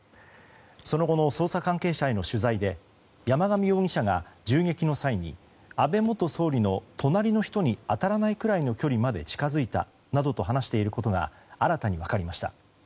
その後の捜査関係者への取材で山上容疑者が銃撃の際に安倍元総理の隣の人に当たらないくらいの距離まで近づいたなどと話していることが新たに分かりました。